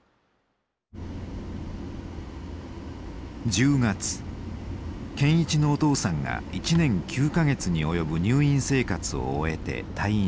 １０月健一のお父さんが１年９か月に及ぶ入院生活を終えて退院しました。